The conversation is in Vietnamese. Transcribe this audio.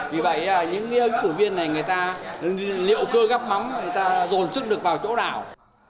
vì vậy những ứng cử viên này người ta liệu cơ gấp mắm người ta dồn sức được vào chỗ nào